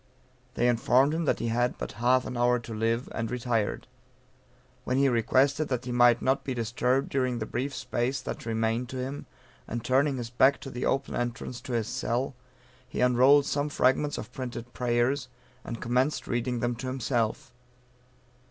They informed him that he had but half an hour to live, and retired; when he requested that he might not be disturbed during the brief space that remained to him, and turning his back to the open entrance to his cell, he unrolled some fragments of printed prayers, and commenced reading them to himself.